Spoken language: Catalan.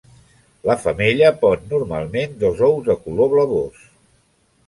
La femella pon normalment dos ous de color blavós.